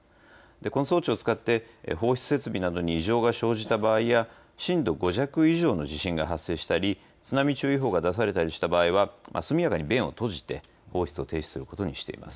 この装置を使って放出設備に異常が生じた場合や震度５弱以上の地震が発生したり津波注意報が出された場合は速やかに弁を閉じて、放出を停止することにしています。